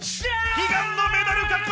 悲願のメダル獲得！